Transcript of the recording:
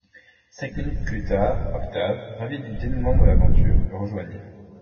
Cinq minutes plus tard, Octave, ravi du dénouement de l'aventure, le rejoignait.